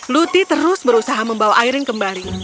luti terus berusaha membawa airin kembali